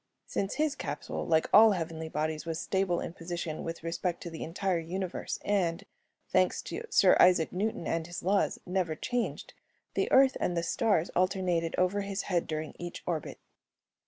Since his capsule, like all heavenly bodies, was stable in position with respect to the entire universe and, thanks to Sir Isaac Newton and his laws, never changed, the Earth and the stars alternated over his head during each orbit.